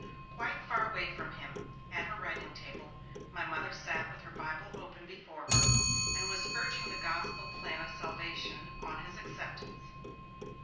Quite far away from him, at her writing table, my Mother sat with her Bible open before her, and was urging the gospel plan of salvation on his acceptance.